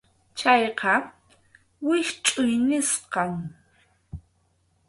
Chayqa wischʼuy nisqam.